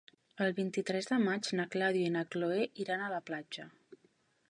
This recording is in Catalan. El vint-i-tres de maig na Clàudia i na Cloè iran a la platja.